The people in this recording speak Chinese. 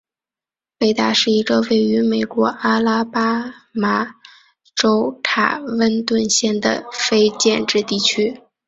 贝达是一个位于美国阿拉巴马州卡温顿县的非建制地区。